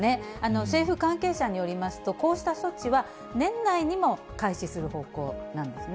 政府関係者によりますと、こうした措置は、年内にも開始する方向なんですね。